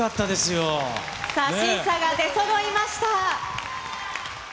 さあ、審査が出そろいました。